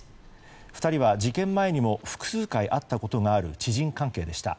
２人は事件前にも複数回会ったことがある知人関係でした。